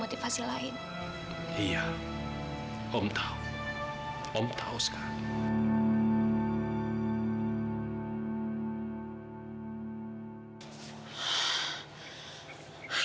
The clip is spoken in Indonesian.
om tahu om tahu sekarang